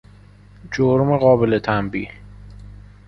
جرم قابل تنبیه